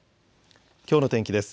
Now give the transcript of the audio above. きょうの天気です。